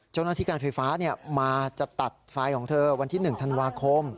เจ้าหน้าที่การไฟฟ้ามาจะตัดไฟของเธอวันที่๑ธันวาคม